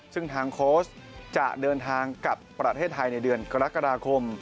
ซึ่งทางโค้ชจะเดินทางกลับประเทศไทยในเดือนกรกฎาคม